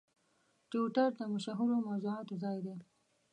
ټویټر د مشهورو موضوعاتو ځای دی.